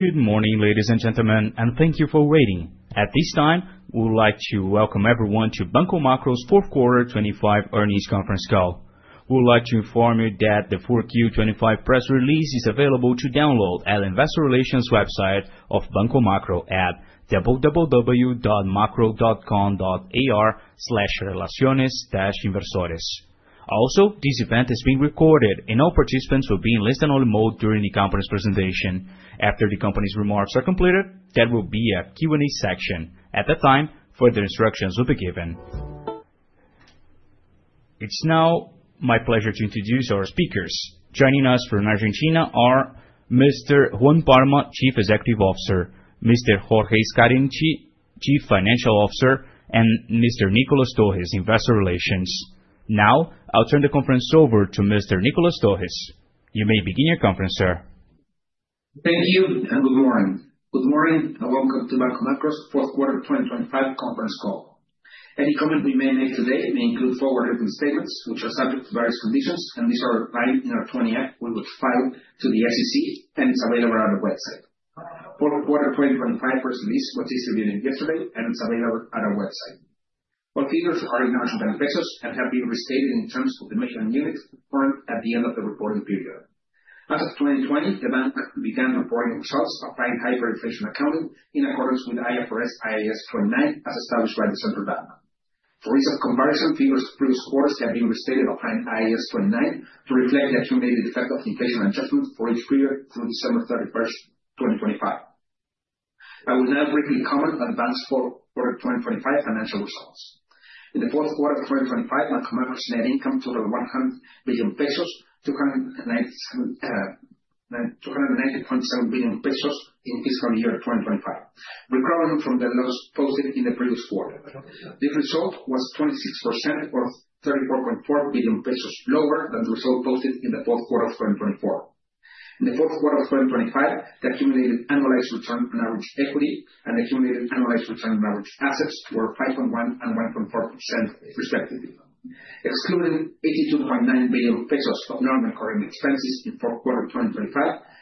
Good morning, ladies and gentlemen, and thank you for waiting. At this time, we would like to welcome everyone to Banco Macro's fourth quarter 2025 earnings conference call. We would like to inform you that the 4Q 2025 press release is available to download at Investor Relations website of Banco Macro at www.macro.com.ar/relaciones-inversores. Also, this event is being recorded and all participants will be in listen-only mode during the company's presentation. After the company's remarks are completed, there will be a Q&A section. At that time, further instructions will be given. It's now my pleasure to introduce our speakers. Joining us from Argentina are Mr. Juan Parma, Chief Executive Officer, Mr. Jorge Scarinci, Chief Financial Officer, and Mr. Nicolas Torres, Investor Relations. Now, I'll turn the conference over to Mr. Nicolas Torres. You may begin your conference, sir. Thank you and good morning. Good morning, and welcome to Banco Macro's fourth quarter 2025 conference call. Any comment we may make today may include forward-looking statements, which are subject to various conditions, and these are applied in our 20-F we would file to the SEC, and it's available on our website. Fourth quarter 2025 press release was distributed yesterday, and it's available at our website. All figures are in Argentine pesos and have been restated in terms of the million units current at the end of the reporting period. As of 2020, the bank began reporting results applying hyperinflation accounting in accordance with IFRS, IAS 29, as established by the Central Bank. For ease of comparison, figures for previous quarters have been restated applying IAS 29 to reflect the accumulated effect of inflation adjustments for each period through December 31st, 2025. I will now briefly comment on Banco's fourth quarter 2025 financial results. In the fourth quarter of 2025, Banco Macro's net income totaled 100 billion pesos, 290.7 billion pesos in fiscal year 2025, recovering from the loss posted in the previous quarter. The result was 26% or 34.4 billion pesos lower than the result posted in the fourth quarter of 2024. In the fourth quarter of 2025, the accumulated annualized return on average equity and accumulated annualized return on average assets were 5.1% and 1.4% respectively. Excluding 82.9 billion pesos of non-recurring expenses in Q4 2025,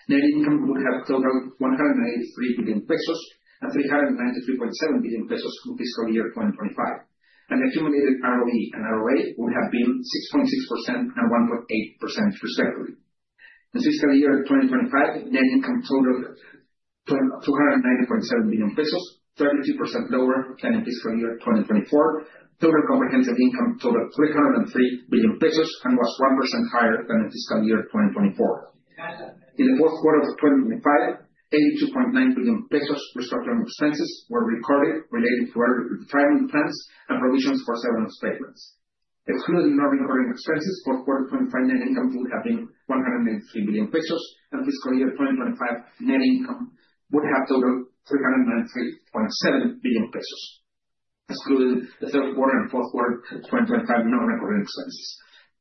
net income would have totaled 183 billion pesos and 393.7 billion pesos for fiscal year 2025, and accumulated ROE and ROA would have been 6.6% and 1.8% respectively. In fiscal year 2025, net income totaled 290.7 billion pesos, 32% lower than in fiscal year 2024. Total comprehensive income totaled 303 billion pesos and was 1% higher than in fiscal year 2024. In the Q4 of 2025, 82.9 billion pesos restructuring expenses were recorded related to early retirement plans and provisions for severance payments. Excluding non-recurring expenses, fourth quarter 2025 net income would have been 183 billion pesos, and fiscal year 2025 net income would have totaled 393.7 billion pesos. Excluding the third quarter and fourth quarter 2025 non-recurring expenses,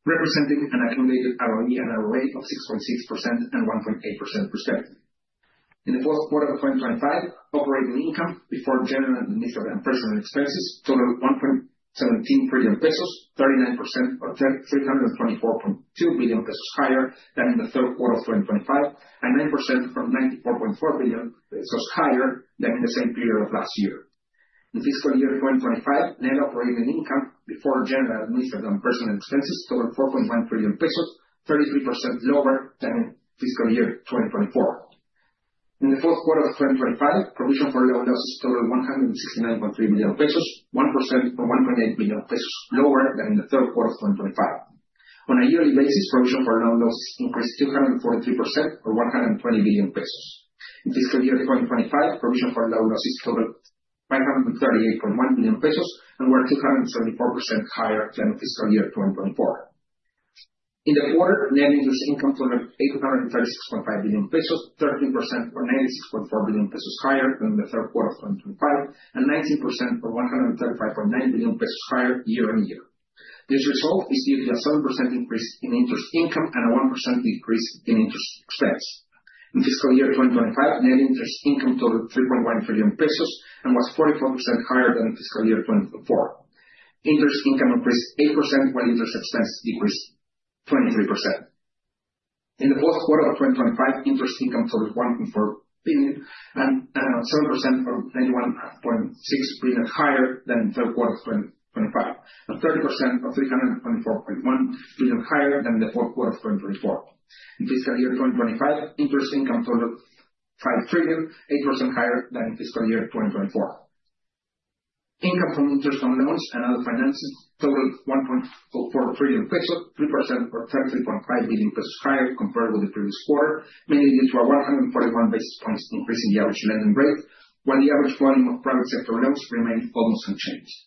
representing an accumulated ROE and ROA of 6.6% and 1.8% respectively. In the fourth quarter of 2025, operating income before general, administrative, and personal expenses totaled 1.17 billion pesos, 39%, or 324.2 billion pesos higher than in the third quarter of 2025, and 9% from 94.4 billion pesos higher than in the same period of last year. In fiscal year 2025, net operating income before general, administrative, and personal expenses totaled 4.1 billion pesos, 33% lower than fiscal year 2024. In the fourth quarter of 2025, provision for loan losses totaled 169.3 billion pesos, 1%, or 1.8 billion pesos lower than in the third quarter of 2025. On a yearly basis, provision for loan losses increased 243% or 120 billion pesos. In fiscal year 2025, provision for loan losses totaled 538.1 billion pesos and were 274% higher than fiscal year 2024. In the quarter, net interest income totaled 836.5 billion pesos, 13%, or 96.4 billion pesos higher than the third quarter of 2025, and 19%, or 135.9 billion pesos higher year-on-year. This result is due to a 7% increase in interest income and a 1% decrease in interest expense. In fiscal year 2025, net interest income totaled 3.1 billion pesos and was 44% higher than fiscal year 2024. Interest income increased 8%, while interest expense decreased 23%. In the fourth quarter of 2025, interest income totaled 1.4 billion and 7% from 91.6 billion higher than the third quarter of 2025, and 30% or 300.41 billion higher than the fourth quarter of 2024. In fiscal year 2025, interest income totaled 5 trillion, 8% higher than in fiscal year 2024. Income from interest on loans and other finances totaled 1.4 trillion pesos, 3%, or 33.5 billion pesos higher compared with the previous quarter, mainly due to a 141 basis points increase in the average lending rate, while the average volume of private sector loans remained almost unchanged.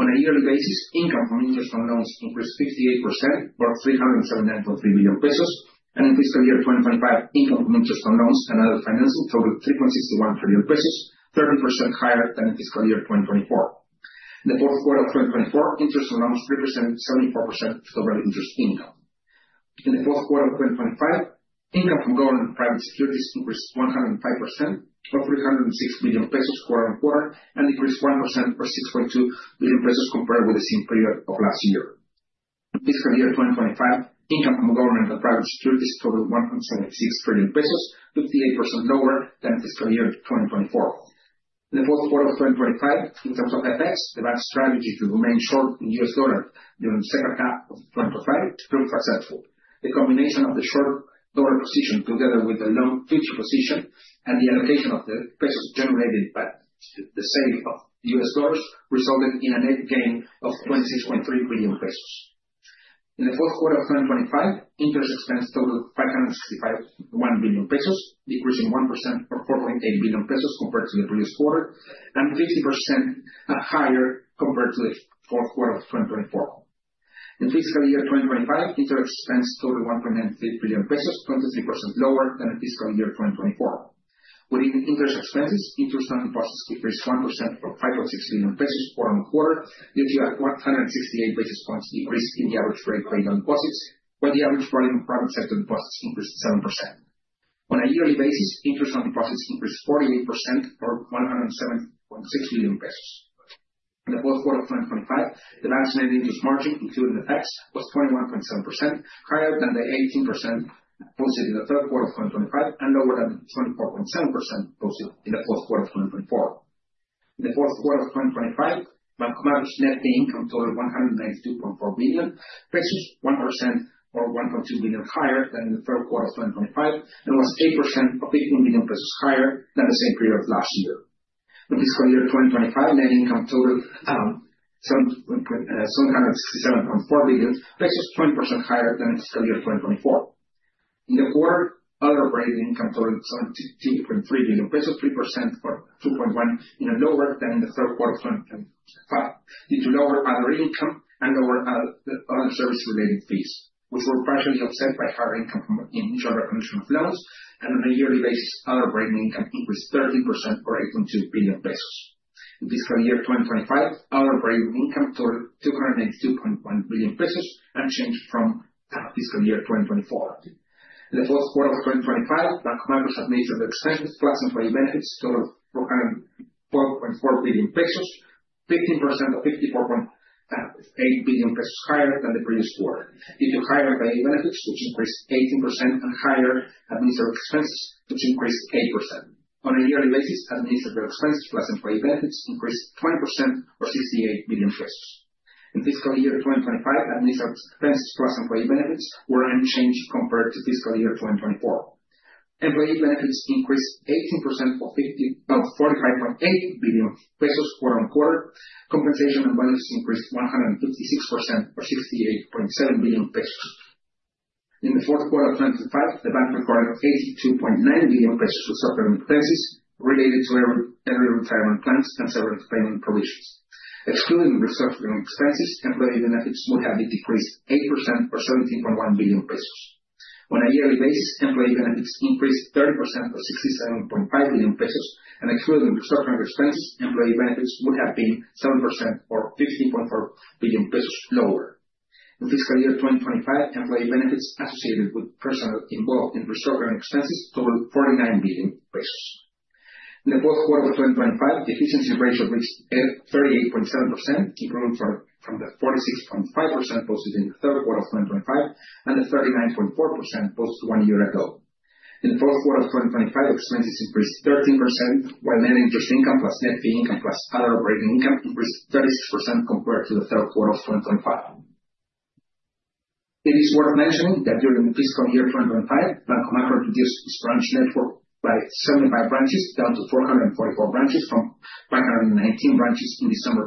On a yearly basis, income from interest on loans increased 58% or 307.3 billion pesos, and in fiscal year 2025, income from interest on loans and other finances totaled 3.61 trillion, 13% higher than in fiscal year 2024. In the fourth quarter of 2024, interest on loans represented 74% total interest income. In the fourth quarter of 2025, income from government and private securities increased 105%, or 306 million pesos quarter-on-quarter, and increased 1% or 6.2 billion pesos compared with the same period of last year. In fiscal year 2025, income from governmental private securities totaled 1.76 trillion pesos, 58% lower than fiscal year 2024. In the fourth quarter of 2025, in terms of effects, the bank's strategy to remain short in U.S. dollar during the second half of 2025 proved successful. The combination of the short dollar position, together with the long future position and the allocation of the pesos generated by the sale of U.S. dollars, resulted in a net gain of 26.3 billion pesos. In the fourth quarter of 2025, interest expense totaled 565.1 billion pesos, decreasing 1% or 4.8 billion pesos compared to the previous quarter, and 50% higher compared to the fourth quarter of 2024. In fiscal year 2025, interest expense totaled 1.93 billion pesos, 23% lower than in fiscal year 2024. Within interest expenses, interest on deposits increased 1% from 5.6 billion pesos quarter-on-quarter, due to a 168 basis points increase in the average rate paid on deposits, while the average volume of private sector deposits increased 7%. On a yearly basis, interest on deposits increased 48% for 107.6 billion pesos. In the fourth quarter of 2025, the bank's net interest margin, including effects, was 21.7%, higher than the 18% posted in the third quarter of 2025 and lower than the 24.7% posted in the fourth quarter of 2024. In the fourth quarter of 2025, Banco Macro net income totaled ARS 192.4 billion, which is 1% or 1.2 billion higher than the third quarter of 2025, and was 8% or 18 billion pesos higher than the same period last year. In fiscal year 2025, net income totaled 767.4 billion, that's just 20% higher than in fiscal year 2024. In the quarter, other operating income totaled 73.3 billion pesos, 3% or 2.1 billion, you know, lower than in the third quarter of 2025, due to lower other income and lower other service related fees, which were partially offset by higher income from in charge recognition of loans. On a yearly basis, other operating income increased 13% or 8.2 billion pesos. In fiscal year 2025, other operating income totaled 292.1 billion pesos, unchanged from fiscal year 2024. In the fourth quarter of 2025, Banco Macro administrative expenses plus employee benefits totaled 412.4 billion pesos, 15% or 54.8 billion pesos higher than the previous quarter, due to higher employee benefits, which increased 18% and higher administrative expenses, which increased 8%. On a yearly basis, administrative expenses plus employee benefits increased 20% or 68 billion pesos. In fiscal year 2025, administrative expenses plus employee benefits were unchanged compared to fiscal year 2024. Employee benefits increased 18% or ARS 45.8 billion quarter-over-quarter. Compensation and benefits increased 156% or 68.7 billion pesos. In the fourth quarter of 2025, the bank required 82.9 billion pesos to supplement expenses related to early retirement plans and severance payment provisions. Excluding restructuring expenses, employee benefits would have decreased 8% or 17.1 billion pesos. On a yearly basis, employee benefits increased 30% or 67.5 billion pesos, and excluding restructuring expenses, employee benefits would have been 7% or 15.4 billion pesos lower. In fiscal year 2025, employee benefits associated with personnel involved in restructuring expenses totaled 49 billion pesos. In the fourth quarter of 2025, the efficiency ratio reached 38.7%, improving from the 46.5% posted in the third quarter of 2025, and the 39.4% posted 1 year ago. In the fourth quarter of 2025, expenses increased 13%, while net interest income plus net fee income plus other operating income increased 36% compared to the third quarter of 2025. It is worth mentioning that during the fiscal year 2025, Banco Macro reduced its branch network by 75 branches, down to 444 branches from 519 branches in December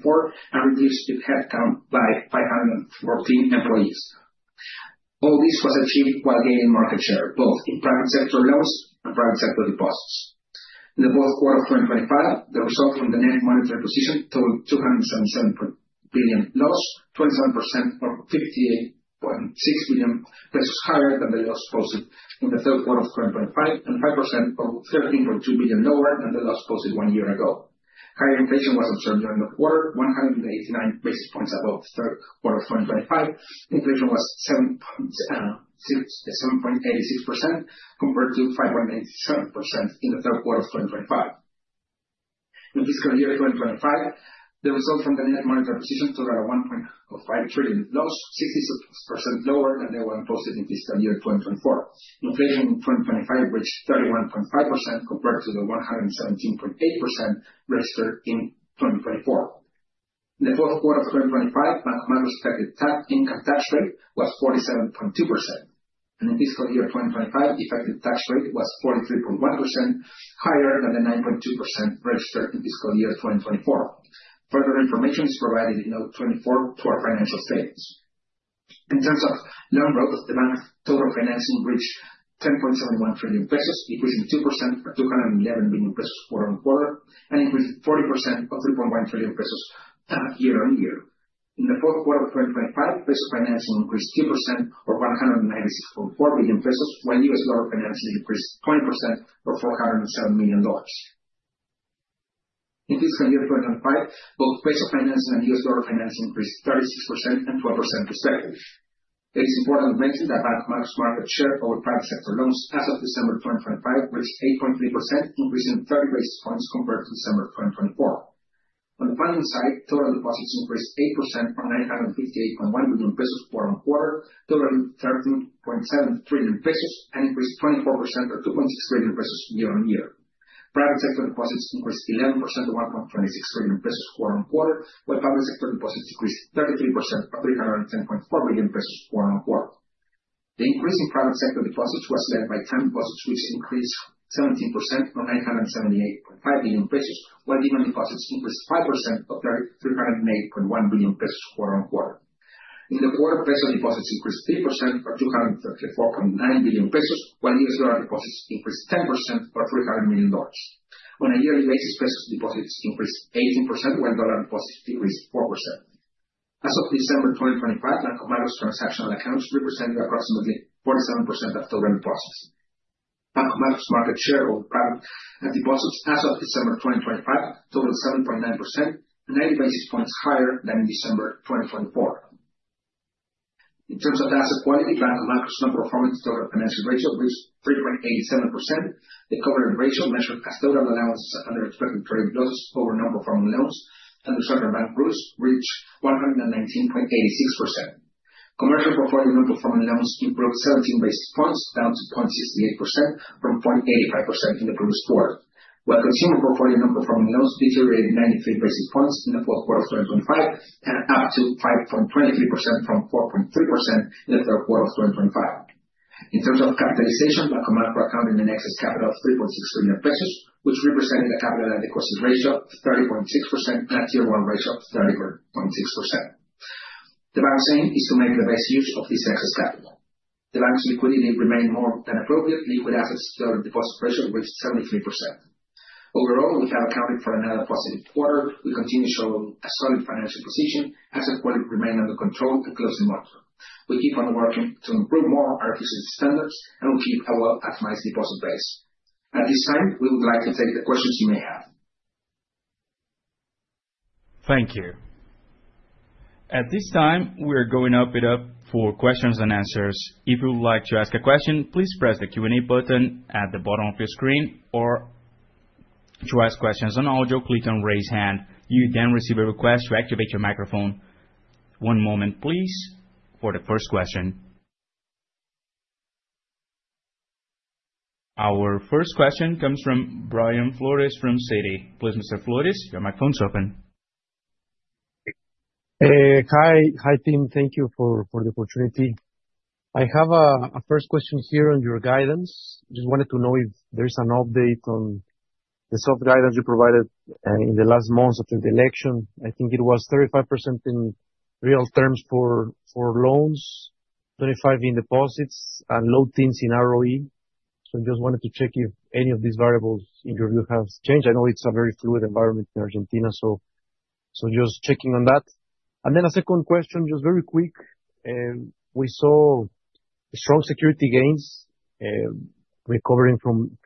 2024, and reduced its headcount by 514 employees. All this was achieved while gaining market share, both in private sector loans and private sector deposits. In the fourth quarter of 2025, the result from the net monetary position totaled 277 billion loss, 27% or 58.6 billion pesos higher than the loss posted in the third quarter of 2025, and 5% or 13.2 billion lower than the loss posted one year ago. Higher inflation was observed during the quarter, 189 basis points above the third quarter of 2025. Inflation was 7.86% compared to 5.87% in the third quarter of 2025. In fiscal year 2025, the result from the net monetary position totaled an 1.5 trillion loss, 66% lower than the one posted in fiscal year 2024. Inflation in 2025 reached 31.5% compared to the 117.8% registered in 2024. In the fourth quarter of 2025, Banco Macro income tax rate was 47.2%. In the fiscal year 2025, effective tax rate was 43.1%, higher than the 9.2% registered in fiscal year 2024. Further information is provided in Note 24 to our financial statements. In terms of loan growth, the bank total financing reached 10.71 trillion pesos, increasing 2% or 211 billion pesos quarter-on-quarter, increased 40% or 3.1 trillion pesos year-on-year. In the fourth quarter of 2025, peso financing increased 2% or 196.4 billion pesos, while U.S. dollar financing increased 20% or $407 million. In fiscal year 2025, both peso financing and U.S. dollar financing increased 36% and 12% respectively. It's important to mention that Banco Macro's market share of private sector loans as of December 2025, was 8.3%, increasing 30 basis points compared to December 2024. On the funding side, total deposits increased 8% from 958.1 billion pesos quarter-on-quarter, to 13.7 trillion pesos, and increased 24% to 2.6 trillion pesos year-on-year. Private sector deposits increased 11% to 1.26 trillion pesos quarter-on-quarter, while public sector deposits decreased 33% to 310.4 billion pesos quarter-on-quarter. The increase in private sector deposits was led by term deposits, which increased 17% to 978.5 billion pesos, while demand deposits increased 5% to 308.1 billion pesos quarter-on-quarter. In the quarter, peso deposits increased 3% or 234.9 billion pesos, while U.S. dollar deposits increased 10% for $300 million. On a yearly basis, peso deposits increased 18%, while dollar deposits decreased 4%. As of December 2025, Banco Macro's transactional accounts represented approximately 47% of total deposits. Banco Macro's market share of private deposits as of December 2025, totaled 7.9%, 90 basis points higher than in December 2024. In terms of asset quality, Banco Macro's non-performing total financial ratio reached 3.87%. The coverage ratio measured as total allowances under expected credit losses over non-performing loans under certain bank rules, reached 119.86%. Commercial portfolio non-performing loans improved 17 basis points, down to 0.68% from 0.85% in the previous quarter. While consumer portfolio non-performing loans deteriorated 93 basis points in the fourth quarter of 2025, up to 5.23% from 4.3% in the third quarter of 2025. In terms of capitalization, Banco Macro accounted in excess capital of 3.6 trillion pesos, which represented a Capital Adequacy Ratio of 30.6%, and a Tier 1 ratio of 30.6%. The bank's aim is to make the best use of this excess capital. The bank's liquidity remained more than appropriate, liquid assets to deposit ratio was 73%. We have accounted for another positive quarter. We continue to show a solid financial position, asset quality remain under control and closely monitored. We keep on working to improve more our existing standards, and we keep our optimized deposit base. At this time, we would like to take the questions you may have. Thank you. At this time, we are going to open it up for questions and answers. If you would like to ask a question, please press the Q&A button at the bottom of your screen, or to ask questions on audio, click on Raise Hand. You will then receive a request to activate your microphone. One moment, please, for the first question. Our first question comes from Brian Flores from Citi. Please, Mr. Flores, your microphone is open. Hi. Hi, team. Thank you for the opportunity. I have a first question here on your guidance. Just wanted to know if there's an update on the soft guidance you provided in the last months after the election? I think it was 35% in real terms for loans, 25% in deposits, and low teens in ROE. Just wanted to check if any of these variables in your view, have changed. I know it's a very fluid environment in Argentina, just checking on that. A second question, just very quick. We saw strong security gains, recovering from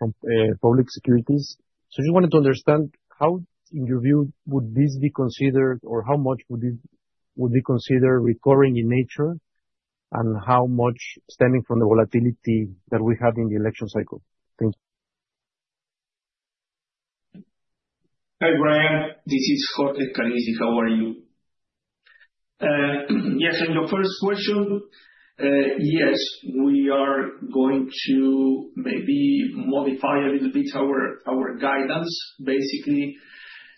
public securities. Just wanted to understand how, in your view, would this be considered or how much would be considered recurring in nature, and how much stemming from the volatility that we have in the election cycle? Thank you. Hi, Brian, this is Jorge Scarinci. How are you? Yes, on your first question, yes, we are going to maybe modify a little bit our guidance. Basically,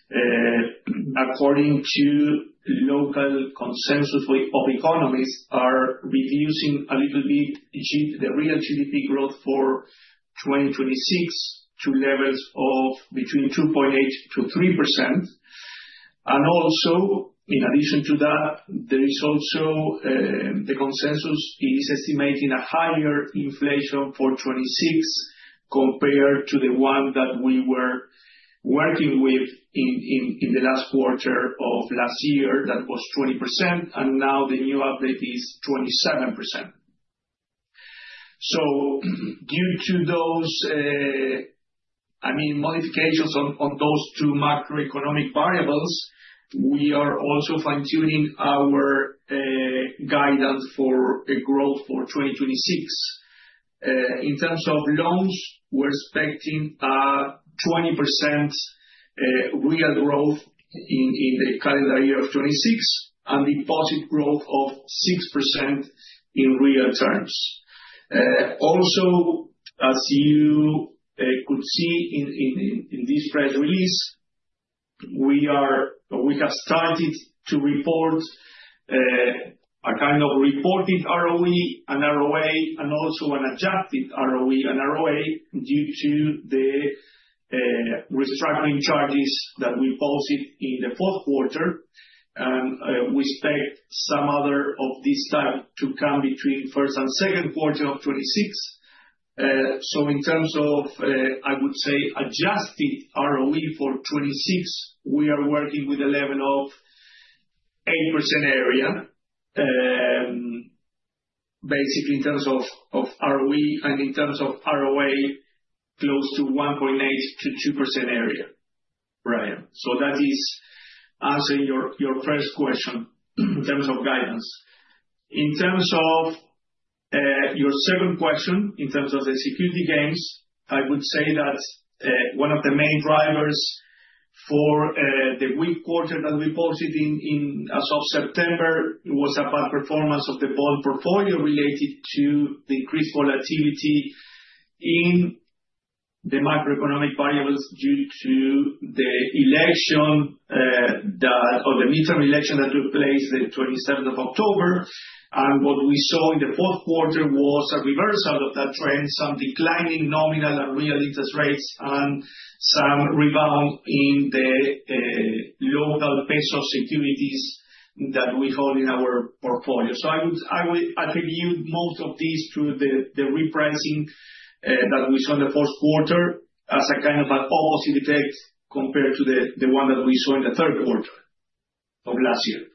according to local consensus of economists, are reducing a little bit the real GDP growth for 2026 to levels of between 2.8%-3%. Also, in addition to that, there is also, the consensus is estimating a higher inflation for 2026, compared to the one that we were working with in the last quarter of last year. That was 20%, and now the new update is 27%. Due to those, I mean, modifications on those two macroeconomic variables, we are also fine-tuning our guidance for a growth for 2026. In terms of loans, we're expecting 20% real growth in the calendar year of 2026, and deposit growth of 6% in real terms. Also, as you could see in this press release, we have started to report a kind of reported ROE and ROA, and also an adjusted ROE and ROA, due to the restructuring charges that we posted in the fourth quarter. We expect some other of this type to come between first and second quarter of 2026. In terms of, I would say adjusted ROE for 2026, we are working with a level of 8% area. Basically in terms of ROE and in terms of ROA, close to 1.8%-2% area. Right. That is answering your first question in terms of guidance. In terms of your second question, in terms of the security gains, I would say that one of the main drivers for the weak quarter that we posted in as of September, was a bad performance of the bond portfolio related to the increased volatility in the macroeconomic variables due to the election or the midterm election that took place the 27th of October. What we saw in the fourth quarter was a reversal of that trend, some declining nominal and real interest rates, and some rebound in the local peso securities that we hold in our portfolio. I would attribute most of these to the repricing that we saw in the first quarter as a kind of a positive effect compared to the one that we saw in the third quarter of last year.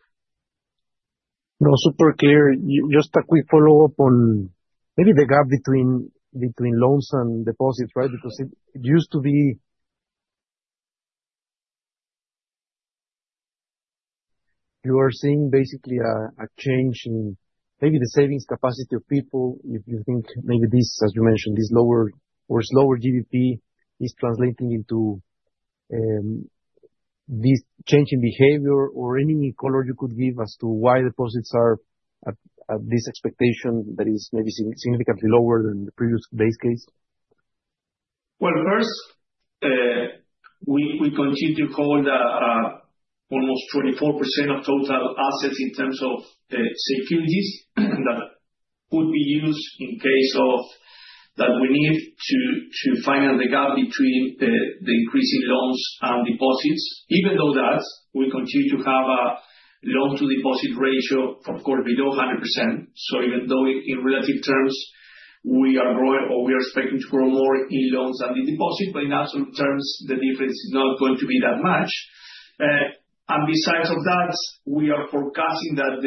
Super clear. Just a quick follow-up on maybe the gap between loans and deposits, right? Because it used to be. You are seeing basically a change in maybe the savings capacity of people, if you think maybe this, as you mentioned, this lower or slower GDP is translating into this change in behavior, or any color you could give as to why deposits are at this expectation that is maybe significantly lower than the previous base case? Well, first, we continue to hold almost 24% of total assets in terms of securities that could be used in case that we need to finance the gap between the increasing loans and deposits, even though that we continue to have a loan-to-deposit ratio, of course, below 100%. Even though in relative terms, we are growing or we are expecting to grow more in loans than in deposits, but in absolute terms, the difference is not going to be that much. Besides of that, we are forecasting that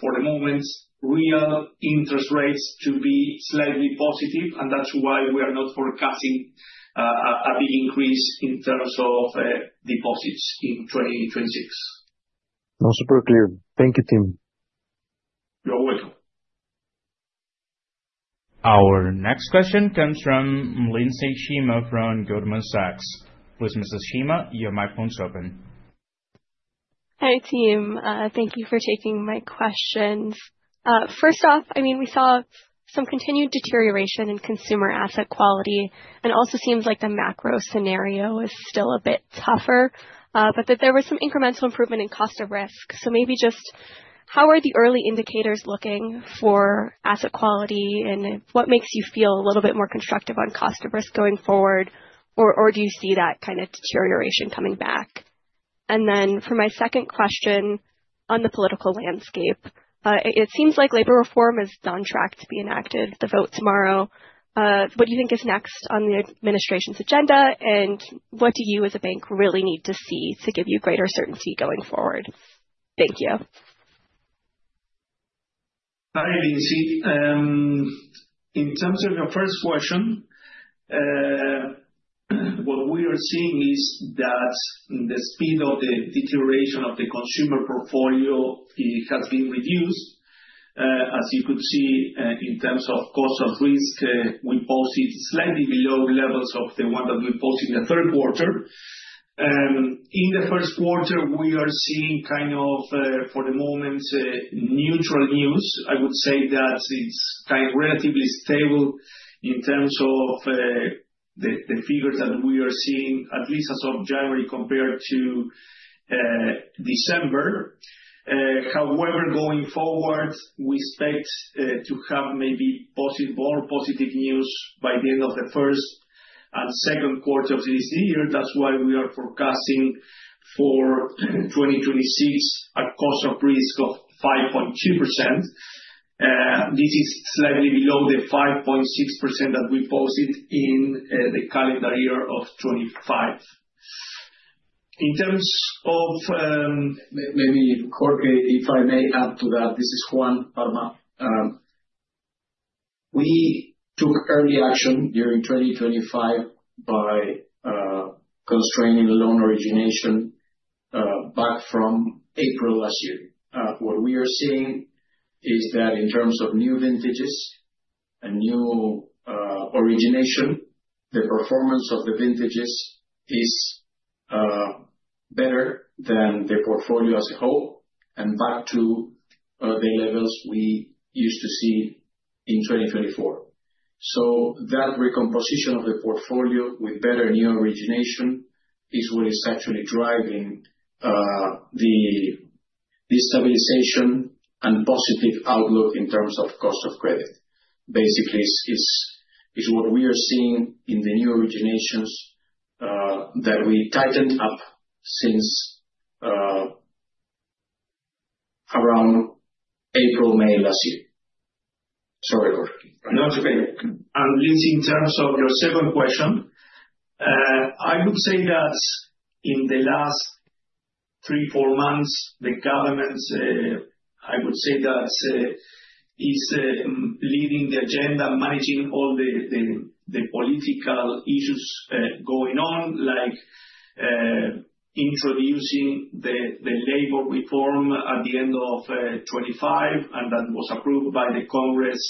for the moment, real interest rates to be slightly positive, and that's why we are not forecasting a big increase in terms of deposits in 2026. No, super clear. Thank you, team. You're welcome. Our next question comes from Lindsey Shema from Goldman Sachs. Please, Mrs. Shema, your microphone is open. Hi, team. Thank you for taking my questions. First off, I mean, we saw some continued deterioration in consumer asset quality. Also seems like the macro scenario is still a bit tougher. That there was some incremental improvement in cost of risk. Maybe just how are the early indicators looking for asset quality, and what makes you feel a little bit more constructive on cost of risk going forward? Do you see that kind of deterioration coming back? For my second question on the political landscape, it seems like labor reform is on track to be enacted, the vote tomorrow. What do you think is next on the administration's agenda? What do you, as a bank, really need to see to give you greater certainty going forward? Thank you. Hi, Lindsey. In terms of your first question, what we are seeing is that the speed of the deterioration of the consumer portfolio has been reduced. As you could see, in terms of cost of risk, we posted slightly below levels of the one that we posted in the third quarter. In the first quarter, we are seeing kind of for the moment neutral news. I would say that it's kind of relatively stable in terms of the figures that we are seeing, at least as of January, compared to December. However, going forward, we expect to have maybe positive, more positive news by the end of the first and second quarter of this year. That's why we are forecasting for 2026, a cost of risk of 5.2%. This is slightly below the 5.6% that we posted in the calendar year of 2025. In terms of, maybe, Jorge, if I may add to that. This is Juan Parma. We took early action during 2025 by constraining the loan origination back from April last year. What we are seeing is that in terms of new vintages and new origination, the performance of the vintages is better than the portfolio as a whole, and back to the levels we used to see in 2024. That recomposition of the portfolio with better new origination is what is actually driving the stabilization and positive outlook in terms of cost of credit. Basically, it's what we are seeing in the new originations that we tightened up since around April, May last year. Sorry, Jorge. No, it's okay. Lindsey, in terms of your second question, I would say that in the last three, four months, the government, I would say that is leading the agenda, managing all the political issues going on, like introducing the labor reform at the end of 2025, and that was approved by the Congress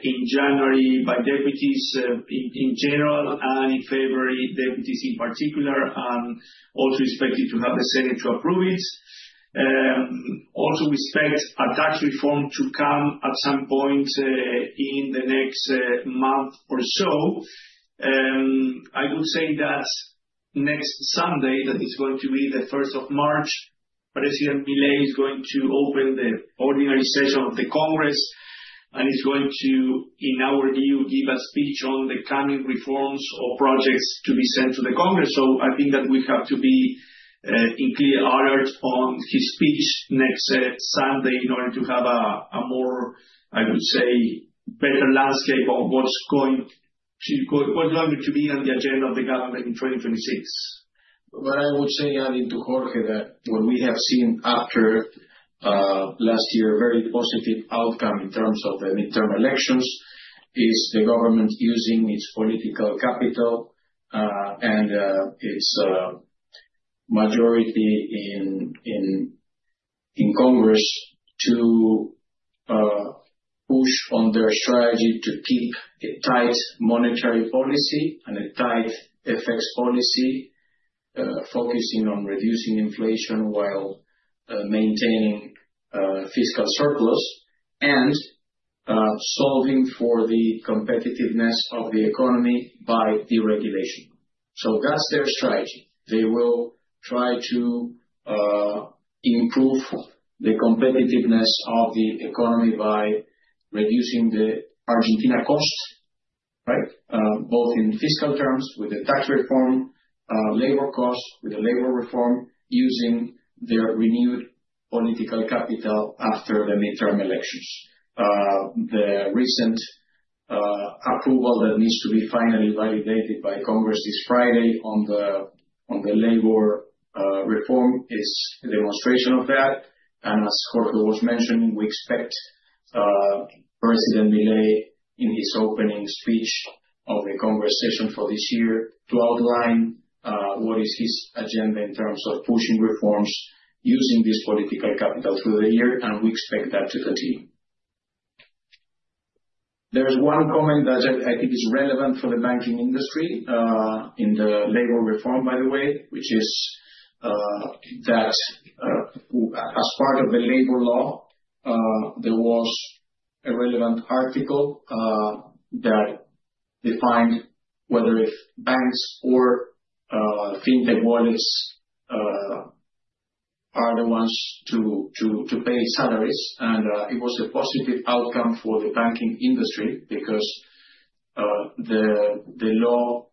in January, by deputies in general, and in February, deputies in particular, and also expected to have the Senate to approve it. Also, we expect a tax reform to come at some point in the next month or so. I would say that next Sunday, that is going to be the first of March, President Milei is going to open the ordinary session of the Congress, and he's going to, in our view, give a speech on the coming reforms or projects to be sent to the Congress. I think that we have to be in clear alert on his speech next Sunday in order to have a more, I would say, better landscape on what's going to be on the agenda of the government in 2026. What I would say, adding to Jorge, that what we have seen after last year, a very positive outcome in terms of the midterm elections, is the government using its political capital and its majority in Congress to push on their strategy to keep a tight monetary policy and a tight FX policy, focusing on reducing inflation while maintaining fiscal surplus and solving for the competitiveness of the economy by deregulation. That's their strategy. They will try to improve the competitiveness of the economy by reducing the Argentina cost, right? Both in fiscal terms with the tax reform, labor costs with the labor reform, using their renewed political capital after the midterm elections. The recent approval that needs to be finally validated by Congress this Friday on the labor reform, is a demonstration of that. As Jorge was mentioning, we expect President Milei, in his opening speech of the Congress session for this year, to outline what is his agenda in terms of pushing reforms using this political capital through the year, and we expect that to continue. There is one comment that I think is relevant for the banking industry, in the labor reform, by the way, which is that as part of the labor law, there was a relevant article that defined whether if banks or fintech wallets are the ones to pay salaries. It was a positive outcome for the banking industry because the law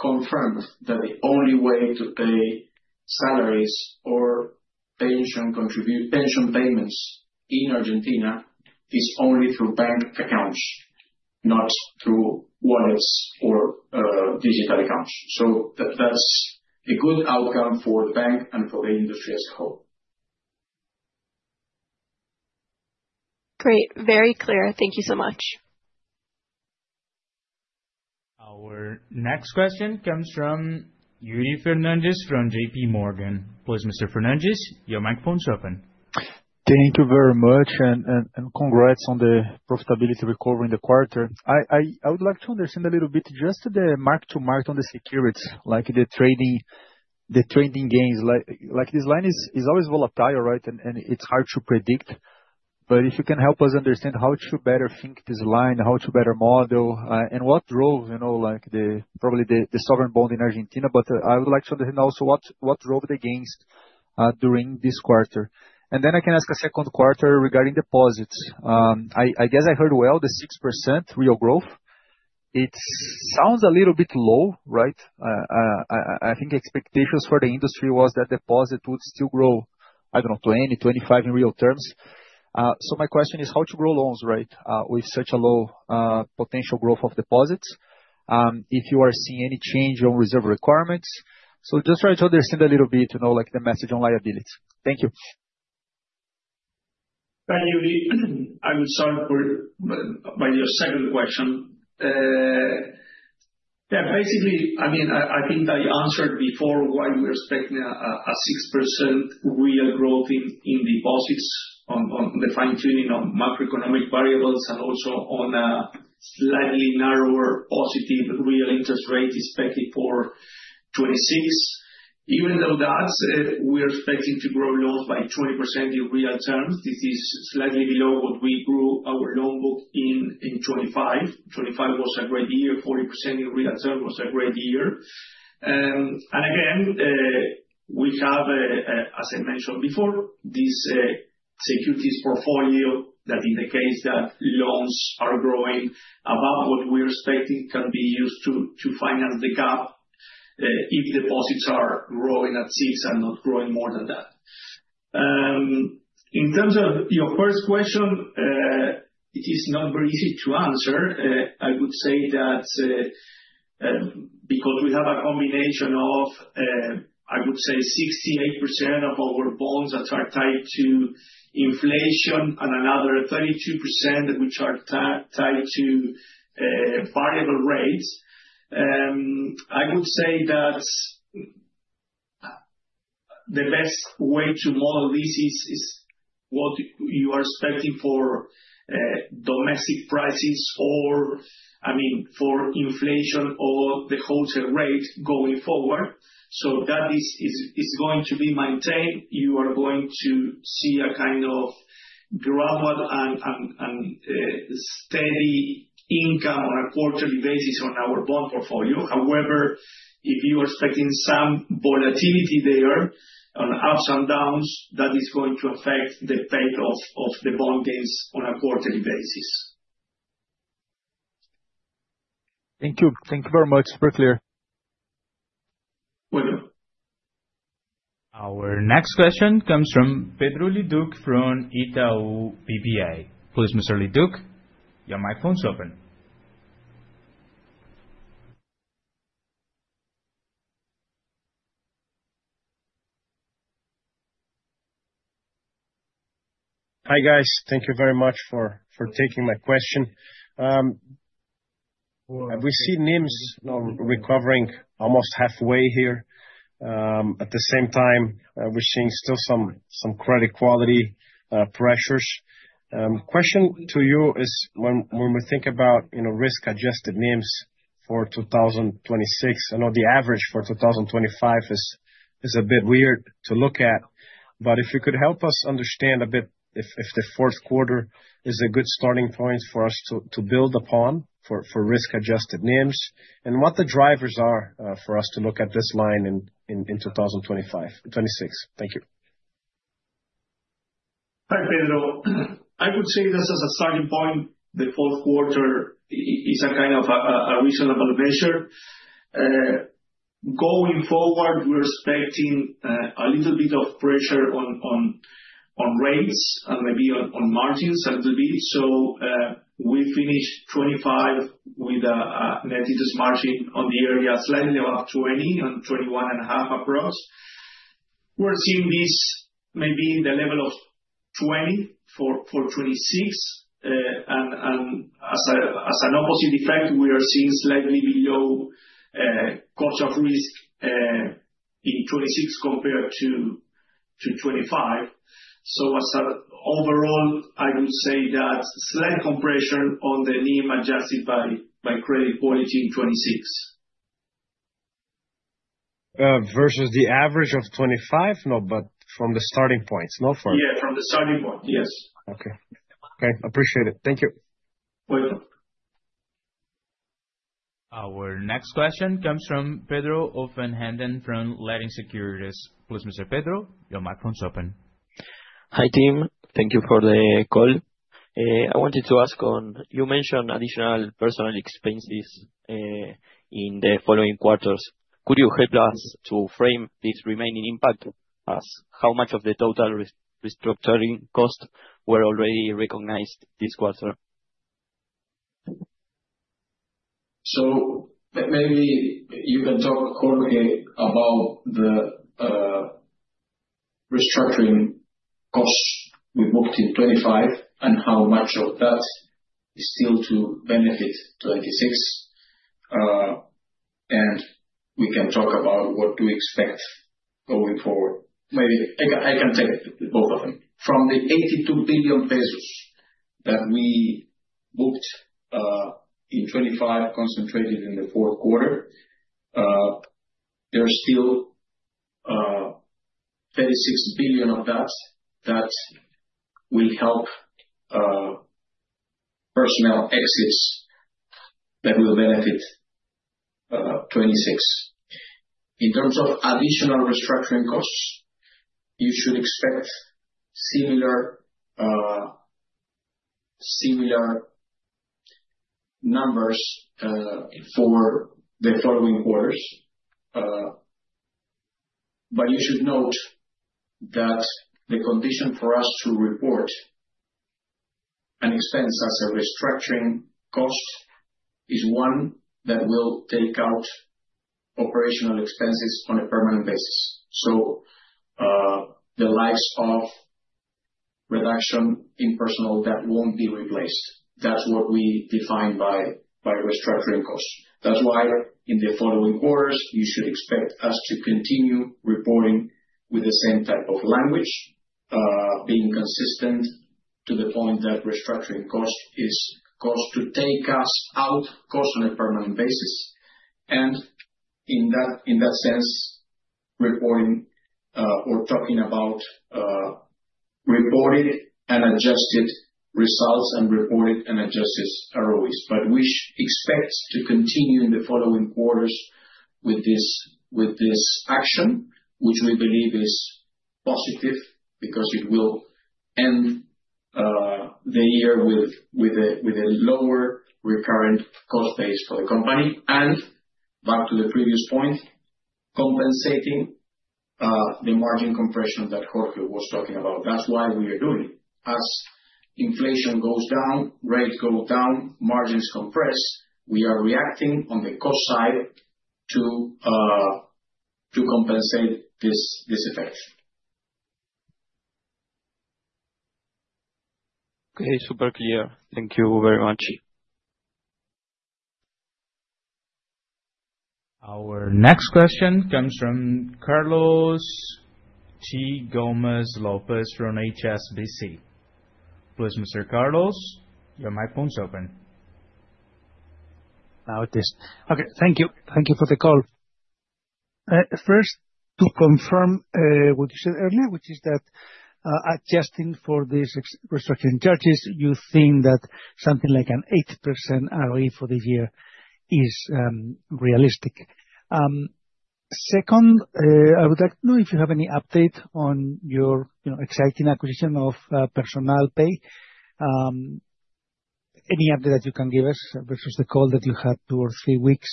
confirmed that the only way to pay salaries or pension payments in Argentina is only through bank accounts, not through wallets or digital accounts. That's a good outcome for the bank and for the industry as a whole. Great, very clear. Thank you so much. Our next question comes from Yuri Fernandes from JP Morgan. Please, Mr. Fernandes, your microphone is open. Thank you very much, and congrats on the profitability recovery in the quarter. I would like to understand a little bit just the mark to market on the securities, like the trading gains. Like, this line is always volatile, right? It's hard to predict, but if you can help us understand how to better think this line, how to better model, and what drove, you know, like, the probably the sovereign bond in Argentina, but I would like to know also what drove the gains during this quarter. Then I can ask a second quarter regarding deposits. I guess I heard well, the 6% real growth. It sounds a little bit low, right? I think expectations for the industry was that deposit would still grow, I don't know, 20%, 25% in real terms. My question is how to grow loans, right, with such a low potential growth of deposits? If you are seeing any change on reserve requirements. Just try to understand a little bit, you know, like the message on liabilities. Thank you. Thank you, Yuri. I will start with by your second question. Yeah, basically, I mean, I think I answered before why we are expecting a 6% real growth in deposits on the fine-tuning of macroeconomic variables and also on a slightly narrower positive real interest rate expected for 2026. Even though that, we're expecting to grow loans by 20% in real terms, this is slightly below what we grew our loan book in 2025. 2025 was a great year, 40% in real terms was a great year. Again, we have, as I mentioned before, this securities portfolio, that in the case that loans are growing above what we're expecting, can be used to finance the gap, if deposits are growing at 6% and not growing more than that. In terms of your first question, it is not very easy to answer. I would say that because we have a combination of I would say 68% of our bonds that are tied to inflation and another 32% which are tied to variable rates, I would say that the best way to model this is what you are expecting for domestic prices or, I mean, for inflation or the wholesale rate going forward. That is going to be maintained. You are going to see a kind of gradual and steady income on a quarterly basis on our bond portfolio. However, if you are expecting some volatility there on ups and downs, that is going to affect the pay off of the bondings on a quarterly basis. Thank you. Thank you very much. Very clear. Welcome. Our next question comes from Pedro Leduc from Itaú BBA. Please, Mr. Leduc, your microphone is open. Hi, guys. Thank you very much for taking my question. We see NIMS now recovering almost halfway here. At the same time, we're seeing still some credit quality pressures. Question to you is when we think about, you know, risk-adjusted NIMs for 2026, I know the average for 2025 is a bit weird to look at, but if you could help us understand a bit if the fourth quarter is a good starting point for us to build upon for risk-adjusted NIMs, and what the drivers are for us to look at this line in 2025, 2026. Thank you. Hi, Pedro. I would say this as a starting point, the fourth quarter is a kind of a reasonable measure. Going forward, we're expecting a little bit of pressure on rates and maybe on margins, a little bit. We finished 2025 with a net interest margin on the area, slightly above 20% and 21.5% across. We're seeing this maybe in the level of 20% for 2026. As an opposite effect, we are seeing slightly below cost of risk in 2026 compared to 2025. Overall, I would say that slight compression on the NIM adjusted by credit quality in 2026. Versus the average of 2025? No, but from the starting point. Yeah, from the starting point. Yes. Okay. Okay, appreciate it. Thank you. Welcome. Our next question comes from Pedro Offenhenden from Latin Securities. Please, Mr. Pedro, your microphone is open. Hi, team. Thank you for the call. I wanted to ask on, you mentioned additional personal expenses in the following quarters. Could you help us to frame this remaining impact as how much of the total restructuring cost were already recognized this quarter? Maybe you can talk, Jorge, about the restructuring costs we booked in 2025, and how much of that is still to benefit 2026. We can talk about what to expect going forward. Maybe I can take both of them. From the 82 billion pesos that we booked in 2025, concentrated in the fourth quarter, there are still 36 billion of that will help personnel exits that will benefit 2026. In terms of additional restructuring costs, you should expect similar numbers for the following quarters. You should note that the condition for us to report an expense as a restructuring cost is one that will take out operational expenses on a permanent basis. The likes of reduction in personnel that won't be replaced. That's what we define by restructuring costs. That's why, in the following quarters, you should expect us to continue reporting with the same type of language, being consistent to the point that restructuring cost is cost to take us out, cost on a permanent basis, and in that, in that sense, reporting or talking about reported and adjusted results, and reported and adjusted ROIs. We expect to continue in the following quarters with this, with this action, which we believe is positive, because it will the year with a, with a lower recurrent cost base for the company, and back to the previous point, compensating the margin compression that Jorge was talking about. That's why we are doing it. As inflation goes down, rates go down, margins compress, we are reacting on the cost side to compensate this effect. Okay, super clear. Thank you very much. Our next question comes from Carlos T. Gomez-Lopez from HSBC. Please, Mr. Carlos, your microphone is open. Now it is. Okay, thank you. Thank you for the call. First, to confirm what you said earlier, which is that, adjusting for these ex- restructuring charges, you think that something like an 8% ROE for the year is realistic? Second, I would like to know if you have any update on your, you know, exciting acquisition of Personal Pay. Any update that you can give us versus the call that you had 2 or 3 weeks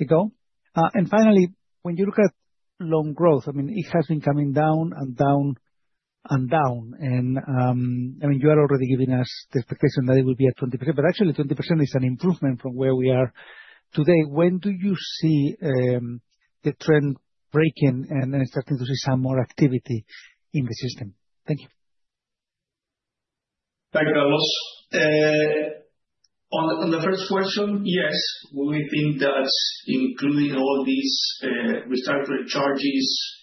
ago? Finally, when you look at loan growth, I mean, it has been coming down and down and down, and, I mean, you are already giving us the expectation that it will be at 20%, but actually 20% is an improvement from where we are today. When do you see the trend breaking and then starting to see some more activity in the system? Thank you. Thank you, Carlos. On the first question, yes, we think that including all these restructure charges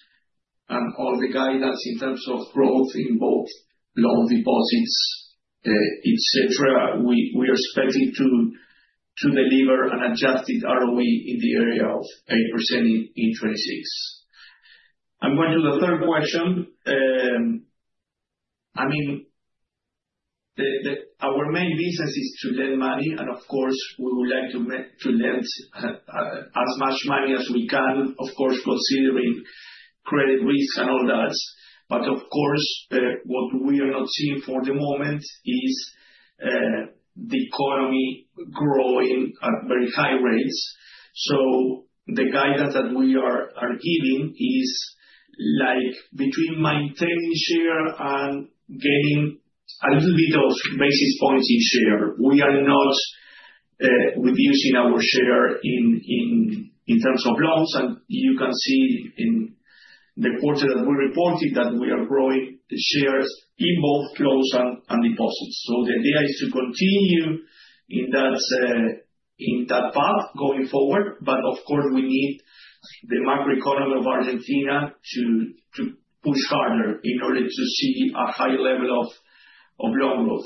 and all the guidance in terms of growth in both loan deposits, et cetera, we are expecting to deliver an adjusted ROE in the area of 8% in 2026. I mean, the Our main business is to lend money, and of course, we would like to lend as much money as we can, of course, considering credit risk and all that. Of course, what we are not seeing for the moment is the economy growing at very high rates. The guidance that we are giving is, like, between maintaining share and gaining a little bit of basis points each year. We are not reducing our share in terms of loans, and you can see in the quarter that we reported, that we are growing the shares in both loans and deposits. The idea is to continue in that path going forward, but of course, we need the macroeconomy of Argentina to push harder in order to see a high level of loan growth.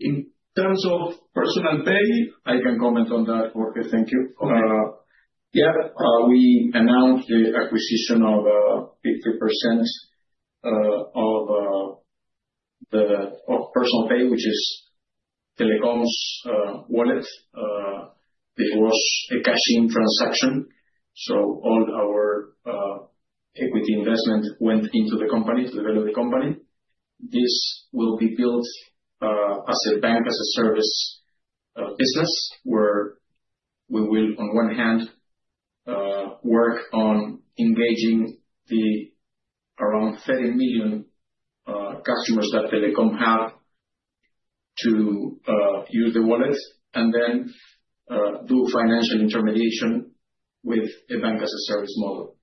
In terms of Personal Pay, I can comment on that, Jorge. Thank you. Okay. Yeah, we announced the acquisition of 50% of Personal Pay, which is Telecom's wallet. It was a cash-in transaction, so all our equity investment went into the company, to develop the company. This will be built as a Banking as a Service business, where we will, on one hand, work on engaging the around 30 million customers that Telecom have to use the wallet, and then, do financial intermediation with a Banking as a Service model.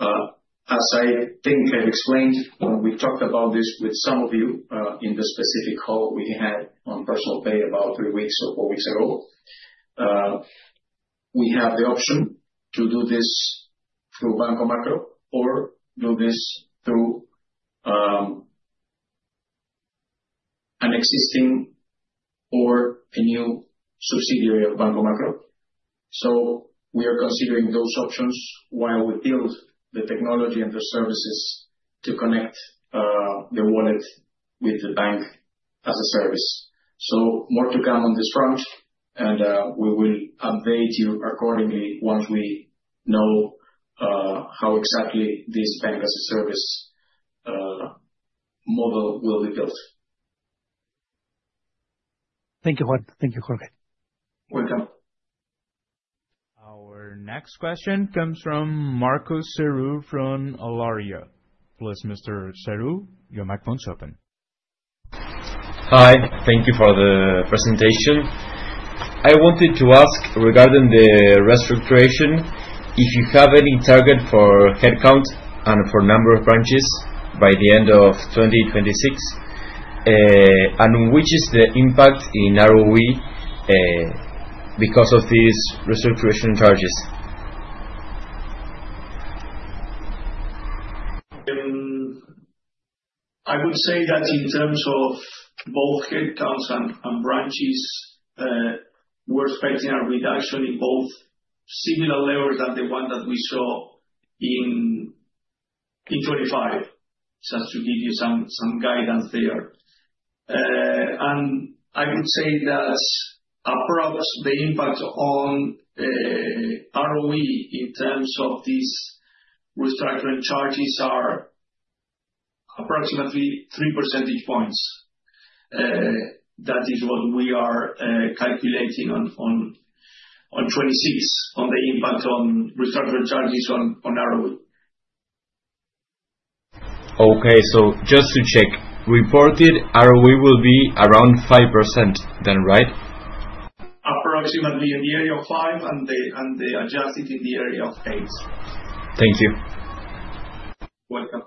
As I think I explained when we talked about this with some of you, in the specific call we had on Personal Pay about 3 weeks or 4 weeks ago, we have the option to do this through Banco Macro or do this through an existing or a new subsidiary of Banco Macro. We are considering those options while we build the technology and the services to connect the wallet with the Banking as a Service. More to come on this front, and, we will update you accordingly once we know, how exactly this Banking as a Service, model will be built. Thank you, Juan. Thank you, Jorge. Welcome. Our next question comes from Marcos Seru, from Allaria. Please, Mr. Seru, your microphone is open. Hi, thank you for the presentation. I wanted to ask, regarding the restructuring, if you have any target for headcount and for number of branches by the end of 2026, and which is the impact in ROE, because of these restructuring charges? I would say that in terms of both headcounts and branches, we're expecting a reduction in both, similar level than the one that we saw in 2025. Just to give you some guidance there. I would say that approx, the impact on ROE in terms of these restructuring charges are approximately 3 percentage points. That is what we are calculating on 2026, on the impact on restructuring charges on ROE. Just to check, reported ROE will be around 5%, right? Approximately in the area of 5%, and the, and the adjusted in the area of 8%. Thank you. Welcome.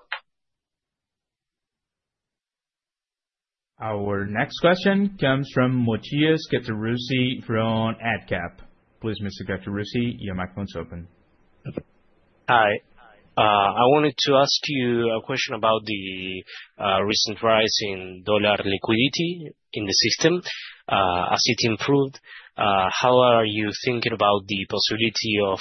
Our next question comes from Matías Cattaruzzi from AdCap. Please, Mr. Cattaruzzi, your microphone is open. Hi. I wanted to ask you a question about the recent rise in dollar liquidity in the system. As it improved, how are you thinking about the possibility of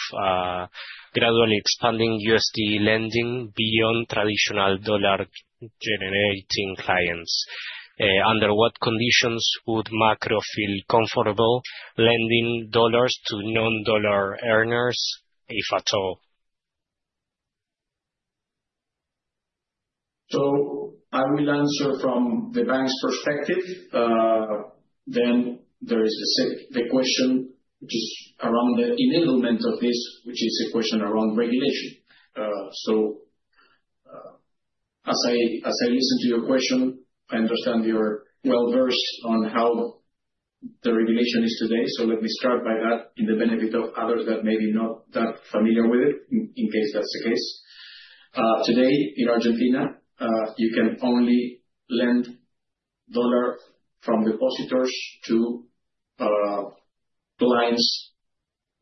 gradually expanding USD lending beyond traditional dollar generating clients? Under what conditions would Macro feel comfortable lending dollars to non-dollar earners, if at all? I will answer from the bank's perspective. There is the question, which is around the enablement of this, which is a question around regulation. As I listen to your question, I understand you're well versed on how the regulation is today. Let me start by that in the benefit of others that may be not that familiar with it, in case that's the case. Today, in Argentina, you can only lend dollar from depositors to clients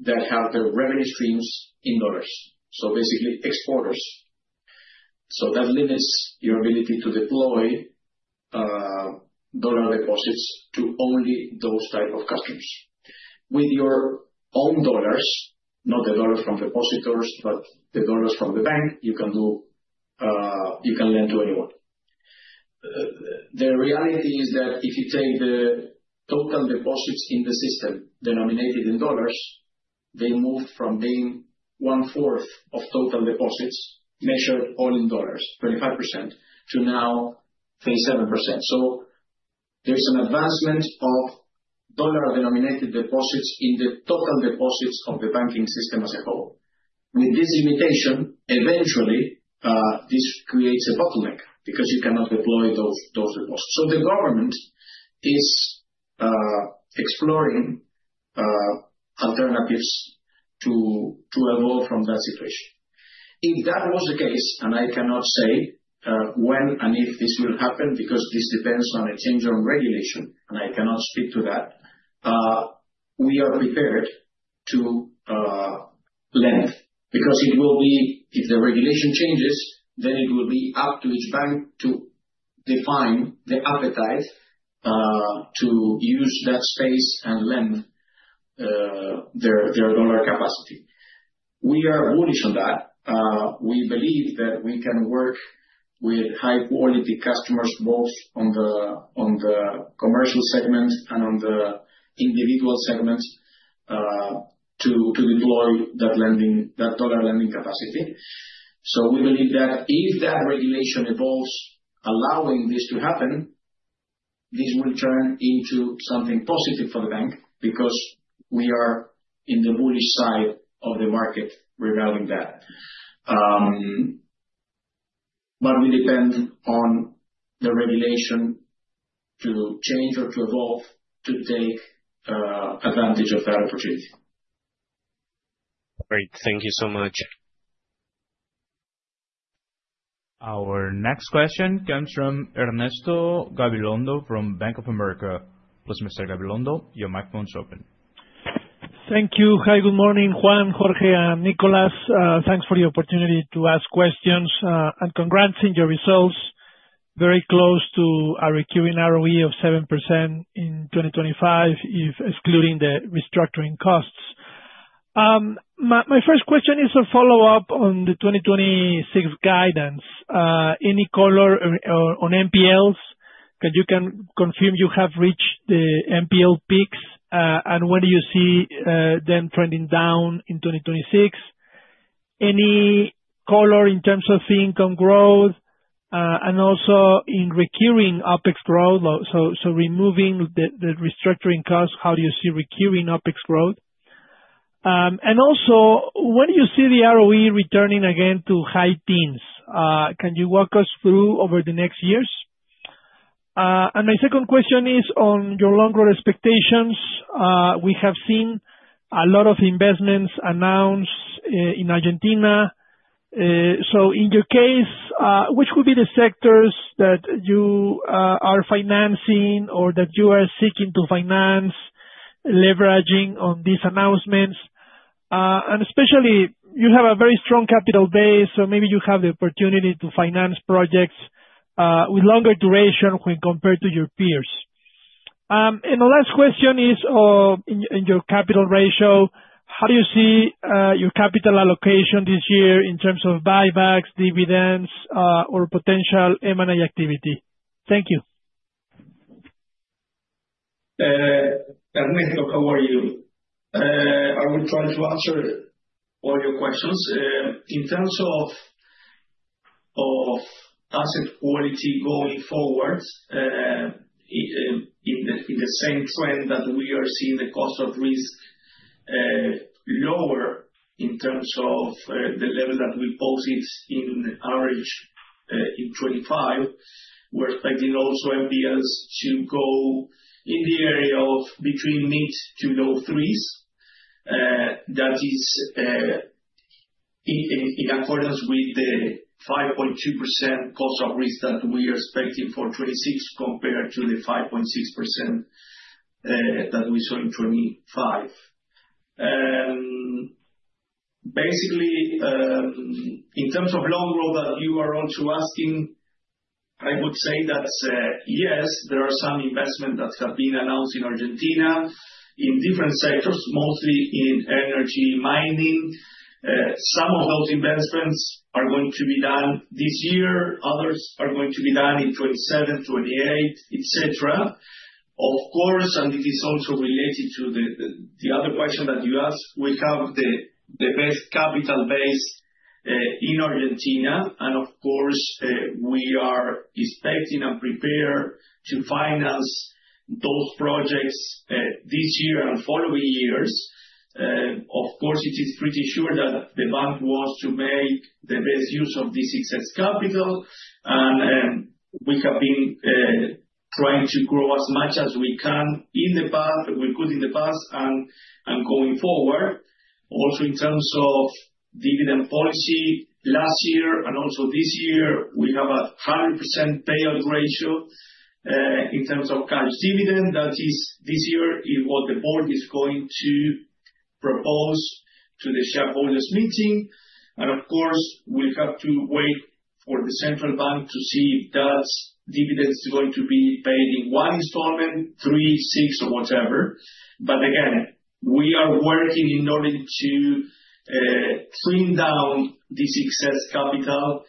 that have their revenue streams in dollars, so basically exporters. That limits your ability to deploy dollar deposits to only those type of customers. With your own dollars, not the dollars from depositors, but the dollars from the bank, you can do, you can lend to anyone. The reality is that if you take the total deposits in the system, denominated in dollars, they moved from being one-fourth of total deposits, measured all in dollars, 25% to now 37%. There's an advancement of dollar-denominated deposits in the total deposits of the banking system as a whole. With this limitation, eventually, this creates a bottleneck, because you cannot deploy those deposits. The government is exploring alternatives to evolve from that situation. If that was the case, and I cannot say when and if this will happen, because this depends on a change on regulation, and I cannot speak to that, we are prepared to lend. If the regulation changes, then it will be up to each bank to define the appetite to use that space and lend their dollar capacity. We are bullish on that. We believe that we can work with high-quality customers, both on the commercial segment and on the individual segments to deploy that lending, that dollar lending capacity. We believe that if that regulation evolves, allowing this to happen, this will turn into something positive for the bank, because we are in the bullish side of the market regarding that. We depend on the regulation to change or to evolve, to take advantage of that opportunity. Great. Thank you so much. Our next question comes from Ernesto Gabilondo, from Bank of America. Please, Mr. Gabilondo, your microphone is open. Thank you. Hi, good morning, Juan, Jorge, and Nicolas. Thanks for the opportunity to ask questions, and congrats in your results. Very close to a recurring ROE of 7% in 2025, if excluding the restructuring costs. My first question is a follow-up on the 2026 guidance. Any color on NPLs? Can you confirm you have reached the NPL peaks, and whether you see them trending down in 2026? Any color in terms of income growth, and also in recurring OpEx growth? Removing the restructuring costs, how do you see recurring OpEx growth? Also, when do you see the ROE returning again to high teens? Can you walk us through over the next years? My second question is on your long-run expectations. We have seen a lot of investments announced in Argentina. In your case, which would be the sectors that you are financing or that you are seeking to finance, leveraging on these announcements? Especially, you have a very strong capital base, so maybe you have the opportunity to finance projects with longer duration when compared to your peers. The last question is, in your capital ratio. How do you see your capital allocation this year in terms of buybacks, dividends, or potential M&A activity? Thank you. Ernesto, how are you? I will try to answer all your questions. In terms of asset quality going forward, in the same trend that we are seeing the cost of risk lower in terms of the level that we posted in average in 2025. We're expecting also NPLs to go in the area of between mid to low threes. That is in accordance with the 5.2% cost of risk that we are expecting for 2026, compared to the 5.6% that we saw in 2025. Basically, in terms of loan growth that you are also asking, I would say that yes, there are some investment that have been announced in Argentina, in different sectors, mostly in energy mining. Some of those investments are going to be done this year, others are going to be done in 2027, 2028, et cetera. It is also related to the other question that you asked, we have the best capital base in Argentina, and of course, we are expecting and prepared to finance those projects this year and following years. It is pretty sure that the bank wants to make the best use of this success capital, and we have been trying to grow as much as we could in the past, and going forward. Also, in terms of dividend policy, last year and also this year, we have a 100% payout ratio in terms of cash dividend. That is, this year, is what the board is going to propose to the shareholders meeting. Of course, we have to wait for the Central Bank to see if that dividend is going to be paid in one installment, 3, 6, or whatever. Again, we are working in order to trim down this excess capital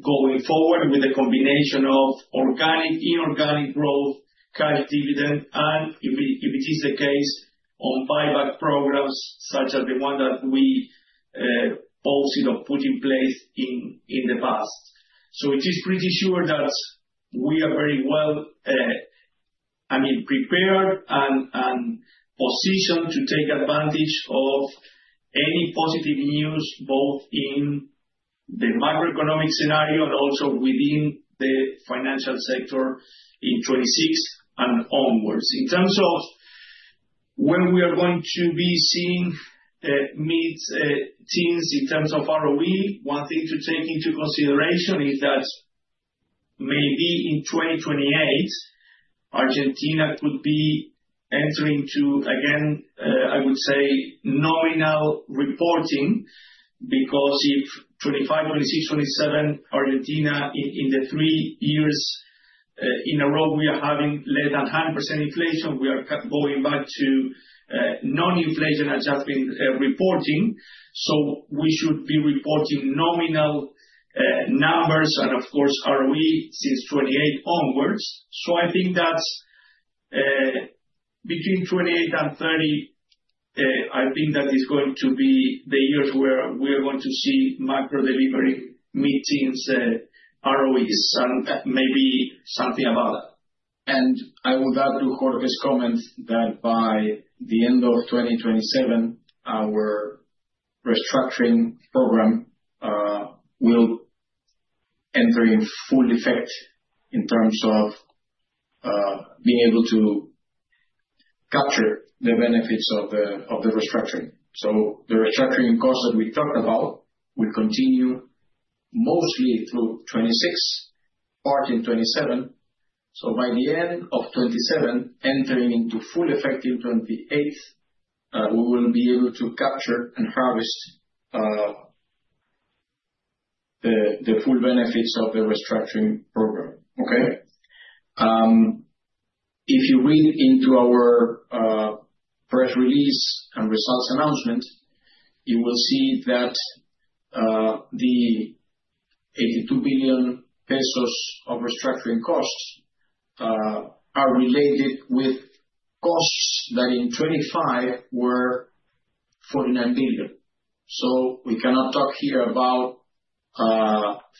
going forward with a combination of organic, inorganic growth, cash dividend, and if it is the case, on buyback programs such as the one that we also, you know, put in place in the past. It is pretty sure that we are very well, I mean, prepared and positioned to take advantage of any positive news, both in the macroeconomic scenario and also within the financial sector in 2026 and onwards. In terms of when we are going to be seeing mid-teens, in terms of ROE, one thing to take into consideration is that maybe in 2028, Argentina could be entering to, again, I would say, nominal reporting. If 2025, 2026, 2027, Argentina, in the three years in a row, we are having less than 100% inflation, we are going back to non-inflation adjusting reporting. We should be reporting nominal numbers, and of course, ROE, since 2028 onwards. I think that between 2028 and 2030, I think that is going to be the years where we are going to see Macro delivery, mid-teens ROEs, and maybe something about that. I would add to Jorge's comments that by the end of 2027, our restructuring program will enter in full effect in terms of being able to capture the benefits of the restructuring. The restructuring costs that we talked about will continue mostly through 2026, part in 2027. By the end of 2027, entering into full effect in 2028, we will be able to capture and harvest the full benefits of the restructuring program. Okay? If you read into our press release and results announcement, you will see that the 82 billion pesos of restructuring costs are related with costs that in 2025 were 49 billion. We cannot talk here about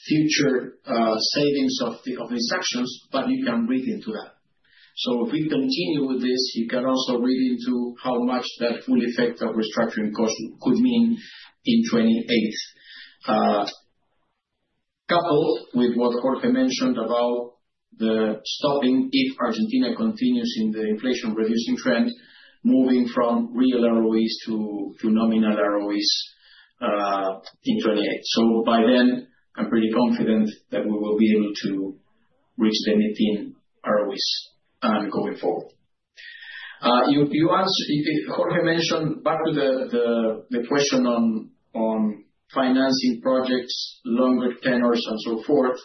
future savings of these sections, but you can read into that. If we continue with this, you can also read into how much that full effect of restructuring cost could mean in 2028. Coupled with what Jorge mentioned about the stopping, if Argentina continues in the inflation-reducing trend, moving from real ROEs to nominal ROEs in 2028. By then, I'm pretty confident that we will be able to reach the mid-teen ROEs going forward. You asked, if, Jorge mentioned back to the question on financing projects, longer tenors and so forth.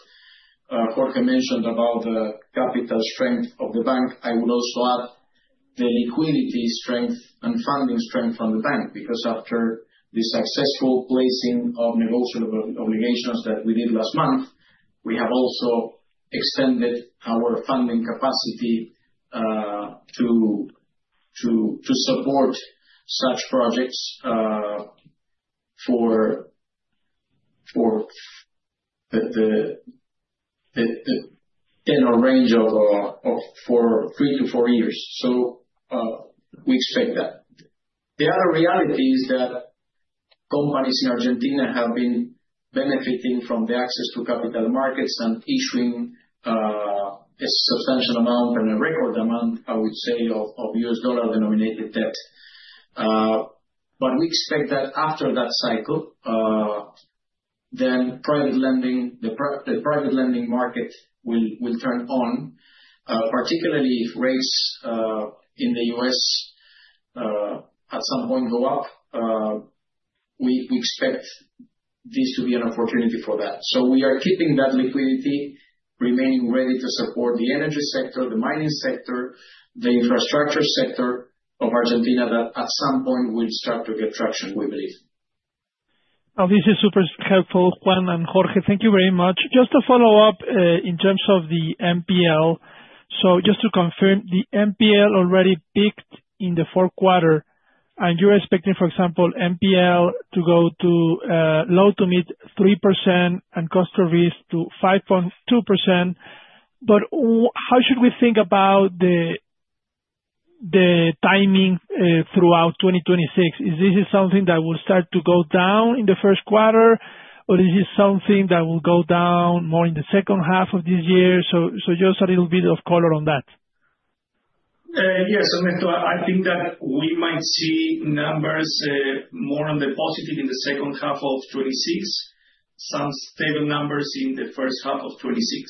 Jorge mentioned about the capital strength of the bank. I would also add the liquidity strength and funding strength from the bank, because after the successful placing of negotiable obligations that we did last month, we have also extended our funding capacity to support such projects for the in a range of for 3 years-4 years. We expect that. The other reality is that companies in Argentina have been benefiting from the access to capital markets and issuing a substantial amount and a record amount, I would say, of U.S. dollar-denominated debt. We expect that after that cycle, private lending, the private lending market will turn on, particularly if rates in the U.S. at some point go up, we expect this to be an opportunity for that. We are keeping that liquidity, remaining ready to support the energy sector, the mining sector, the infrastructure sector of Argentina, that at some point will start to get traction, we believe. This is super helpful, Juan and Jorge, thank you very much. Just to follow up in terms of the NPL. Just to confirm, the NPL already peaked in the fourth quarter, and you're expecting, for example, NPL to go to low to mid 3% and cost of risk to 5.2%. How should we think about the timing throughout 2026? Is this something that will start to go down in the first quarter? Or is this something that will go down more in the second half of this year? Just a little bit of color on that. Yes, I think that we might see numbers, more on the positive in the second half of 2026, some stable numbers in the first half of 2026.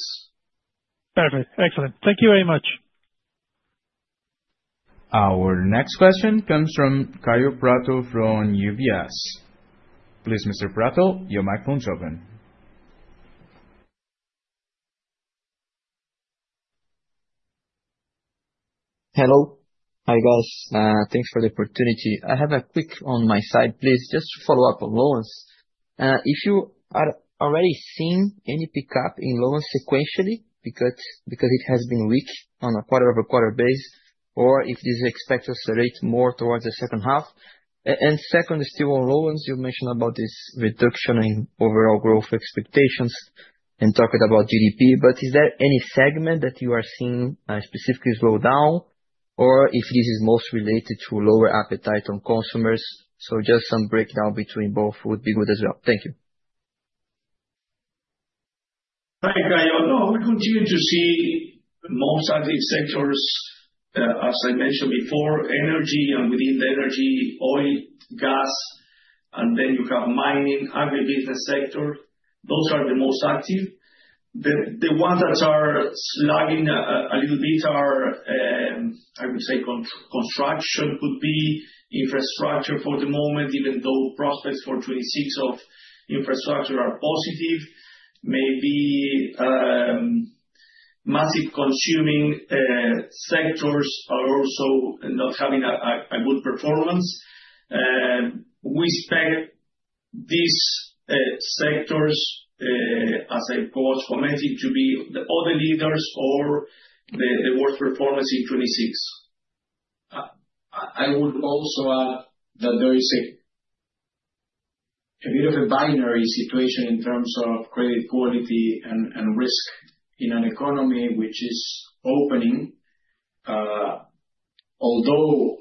Perfect. Excellent. Thank you very much. Our next question comes from Kaio Prato, from UBS. Please, Mr. Prato, your microphone is open. Hello. Hi, guys. Thanks for the opportunity. I have a quick on my side, please. Just to follow up on loans, if you are already seeing any pickup in loans sequentially, because it has been weak on a quarter-over-quarter basis, or if it is expected to accelerate more towards the second half. Second, still on loans, you mentioned about this reduction in overall growth expectations and talking about GDP, but is there any segment that you are seeing specifically slow down, or if this is most related to lower appetite on consumers? Just some breakdown between both would be good as well. Thank you. Hi, Kaio. We continue to see most active sectors, as I mentioned before, energy, and within energy, oil, gas, and then you have mining, agribusiness sector. Those are the most active. The ones that are lagging a little bit are, I would say, construction could be, infrastructure for the moment, even though prospects for 2026 of infrastructure are positive. Maybe, massive consuming sectors are also not having a good performance. We expect these sectors, as I mentioned, to be the other leaders or the worst performers in 2026. I would also add that there is a bit of a binary situation in terms of credit quality and risk in an economy which is opening. Although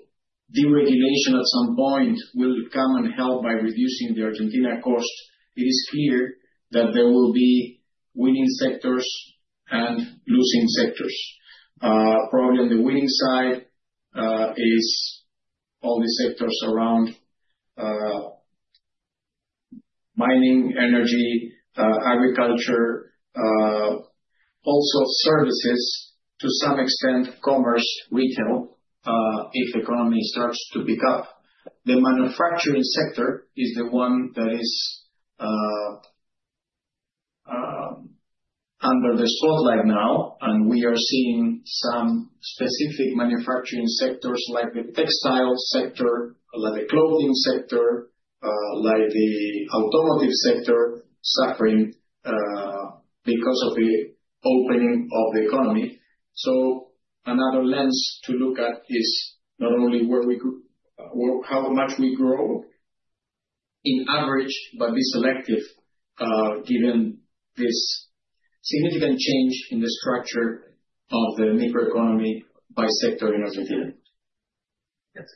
deregulation at some point will come and help by reducing the Argentina cost, it is clear that there will be winning sectors and losing sectors. Probably on the winning side is all the sectors around mining, energy, agriculture, also services, to some extent, commerce, retail, if the economy starts to pick up. The manufacturing sector is the one that is under the spotlight now, and we are seeing some specific manufacturing sectors, like the textile sector, like the clothing sector, like the automotive sector, suffering because of the opening of the economy. So another lens to look at is not only where we could or how much we grow in average, but be selective, given this significant change in the structure of the macroeconomy by sector in Argentina. Yes.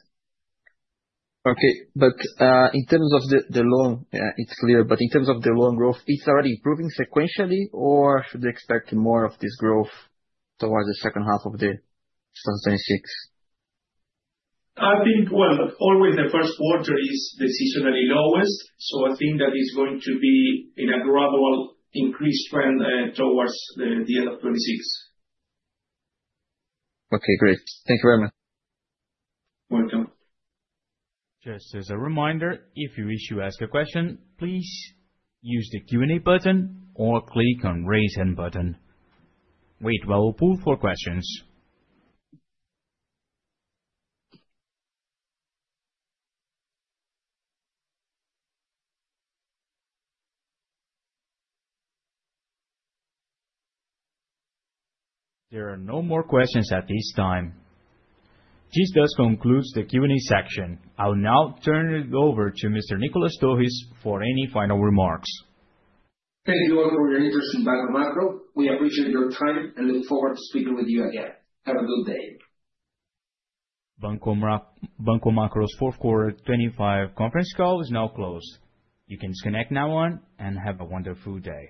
Okay. In terms of the loan, it's clear, in terms of the loan growth, it's already improving sequentially, or should we expect more of this growth towards the second half of 2026? I think, well, always the first quarter is seasonally lowest. I think that it's going to be in a gradual increased trend, towards the end of 2026. Okay, great. Thank you very much. Welcome. Just as a reminder, if you wish to ask a question, please use the Q&A button or click on Raise Hand button. We will pull for questions. There are no more questions at this time. This does conclude the Q&A section. I'll now turn it over to Mr. Nicolas Torres for any final remarks. Thank you all for your interest in Banco Macro. We appreciate your time and look forward to speaking with you again. Have a good day. Banco Macro's fourth quarter 2025 conference call is now closed. You can disconnect now, and have a wonderful day.